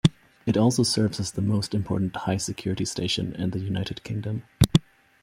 It also serves as the most important high-security station in the United Kingdom.